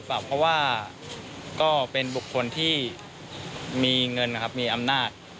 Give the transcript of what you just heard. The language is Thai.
ฝากเพราะว่าก็เป็นบุคคลที่มีเงินนะครับมีอำนาจ